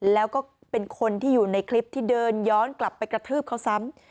แล้วก็เป็นคนที่อยู่ในคลิปที่เดินย้อนกลับไปกระทืบเขาซ้ำ